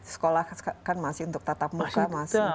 sekolah kan masih untuk tatap muka mas